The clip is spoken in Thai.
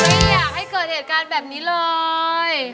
ไม่อยากให้เกิดเหตุการณ์แบบนี้เลย